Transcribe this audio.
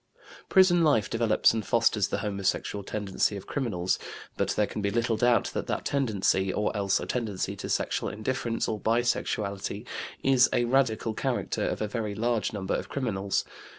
Prison life develops and fosters the homosexual tendency of criminals; but there can be little doubt that that tendency, or else a tendency to sexual indifference or bisexuality, is a radical character of a very large number of criminals.